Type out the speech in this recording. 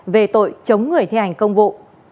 về tội chống người thi hành công vụ